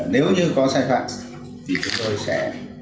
nếu như có sai phạm thì chúng tôi sẽ